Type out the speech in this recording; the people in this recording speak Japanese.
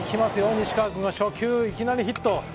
西川君、初球いきなりヒット。